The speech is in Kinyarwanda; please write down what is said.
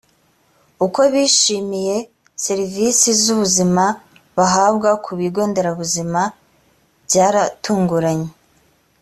uko bishimiye serivisi z’ ubuzima bahabwa ku bigonderabuzima byaratunguranye.